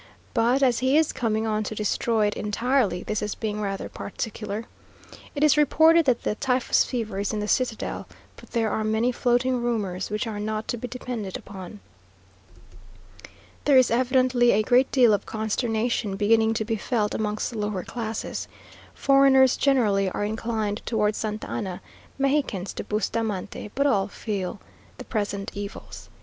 But as he is coming on to destroy it entirely, this is being rather particular. It is reported that the typhus fever is in the citadel, but there are many floating rumours which are not to be depended upon.... There is evidently a great deal of consternation beginning to be felt amongst the lower classes. Foreigners generally are inclined towards Santa Anna, Mexicans to Bustamante; but all feel the present evils.